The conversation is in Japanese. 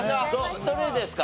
どれですか？